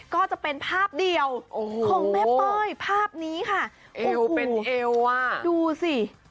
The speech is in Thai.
ก็จะเป็นภาพเดียวของแม่เป้ยภาพนี้ค่ะเอวเป็นเอวอ่ะดูสิ